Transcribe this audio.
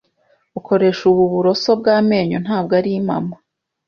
Ukoresha ubu buroso bw'amenyo ntabwo ari mama.